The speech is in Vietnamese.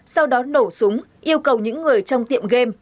sau đó nổ súng yêu cầu những người trong tiệm game